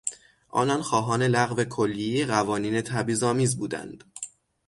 آنان خواهان لغو کلیهی قوانین تبعیضآمیز بودند.